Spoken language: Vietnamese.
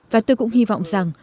và tôi cũng hy vọng rằng